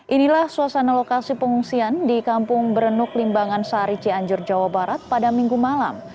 inilah suasana lokasi pengungsian di kampung berenuk limbangan sari cianjur jawa barat pada minggu malam